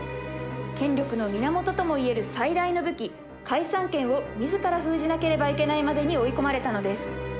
権力の源ともいえる最大の武器、解散権をみずから封じなければいけないまでに追い込まれたのです。